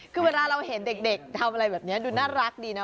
คือเวลาเราเห็นเด็กทำอะไรแบบนี้ดูน่ารักดีนะ